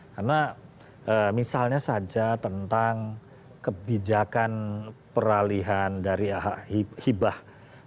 karena misalnya saja tentang kebijakan peralihan dari ahibah